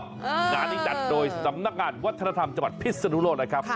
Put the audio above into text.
งานนี้จัดโดยสำนักงานวัฒนธรรมจังหวัดพิศนุโลกนะครับ